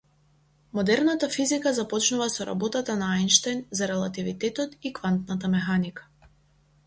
Модерната физика започнува со работата на Ајнштајн за релативитетот и квантната механика.